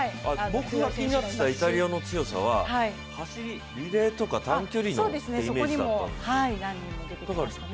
僕が気になっていたイタリアの強さは、リレーとか短距離のイメージだったんですけど。